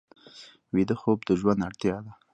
ویده خوب د ژوند اړتیا ده